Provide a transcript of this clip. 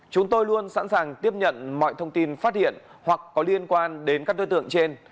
chúng tôi luôn sẵn sàng tiếp nhận mọi thông tin phát hiện hoặc có liên quan đến các đối tượng trên